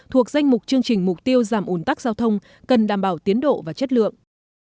thuộc danh mục chương trình mục tiêu giảm ồn tắc giao thông cần đảm bảo tiến độ và chất lượng